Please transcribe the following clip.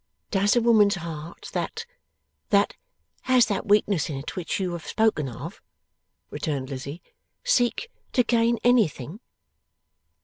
'Does a woman's heart that that has that weakness in it which you have spoken of,' returned Lizzie, 'seek to gain anything?